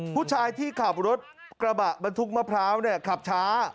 ผู้ชายที่ขับรถกระบะบรรทุกมะพร้าวขับช้า